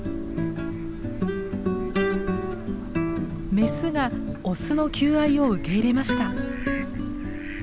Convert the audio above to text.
メスがオスの求愛を受け入れました。